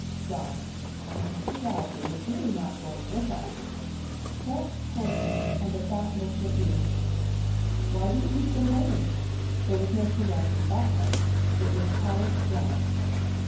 "John, if Mr. Rodgers is really not going with us " Thus Hortense; and at that Miss La Heu: "Why do you keep them waiting?" There was no caress in that note! It was polished granite.